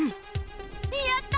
やった！